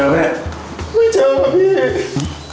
ไม่เจอพี่